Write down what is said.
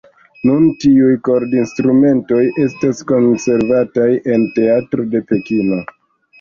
Nun tiuj kord-instrumentoj estas konservataj en teatro de Pekino.